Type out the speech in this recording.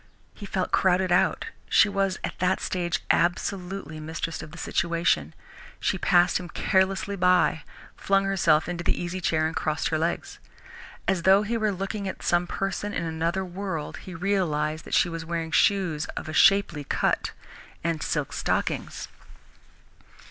He felt crowded out. She was, at that stage, absolutely mistress of the situation.... She passed him carelessly by, flung herself into the easy chair and crossed her legs. As though he were looking at some person in another world, he realized that she was wearing shoes of shapely cut, and silk stockings.